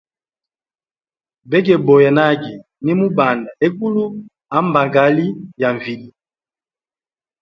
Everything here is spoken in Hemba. Begeboya nage, nimubanda hegulu, ha mbangali ya vilye.